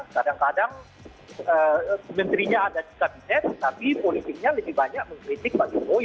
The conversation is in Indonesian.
kadang kadang menterinya ada di kabinet tapi politiknya lebih banyak mengkritik pak jokowi